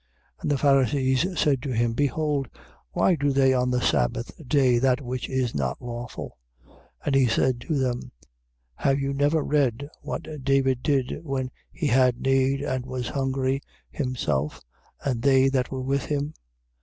2:24. And the Pharisees said to him: Behold, why do they on the sabbath day that which is not lawful? 2:25. And he said to them: Have you never read what David did when he had need and was hungry, himself and they that were with him?